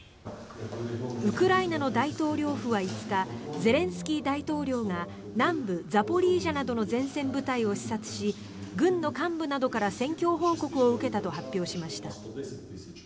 ウクライナの大統領府は５日ゼレンスキー大統領が南部ザポリージャなどの前線部隊を視察し軍の幹部などから戦況報告を受けたと発表しました。